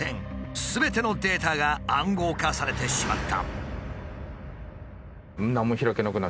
すべてのデータが暗号化されてしまった。